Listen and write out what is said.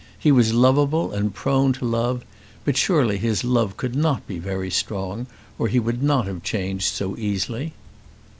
He was lovable and prone to love; but surely his love could not be very strong, or he would not have changed so easily.